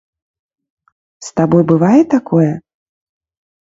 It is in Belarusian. З табой бывае такое?